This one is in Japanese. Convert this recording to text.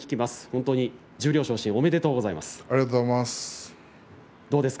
本当に十両昇進おめでとうございます。